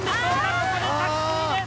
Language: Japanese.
ここで着水です。